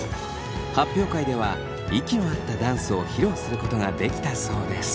発表会では息の合ったダンスを披露することができたそうです。